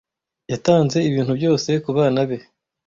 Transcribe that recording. Yatanze ibintu byose kubana be.